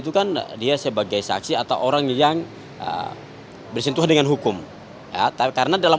itu kan dia sebagai saksi atau orang yang bersentuhan dengan hukum ya tapi karena dalam